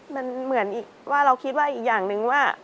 มันเหมือนอีกว่าเราคิดว่าอีกอย่างหนึ่งว่า